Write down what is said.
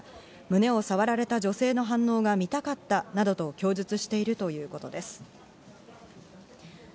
胸を触られた女性の反応が見たかったなどと供述しているということです。